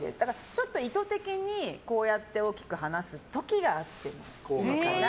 ちょっと意図的に大きく話す時があってもいいかな。